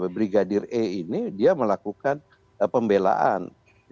brigadir e ini dia melakukan pembelaan